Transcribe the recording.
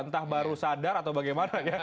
entah baru sadar atau bagaimana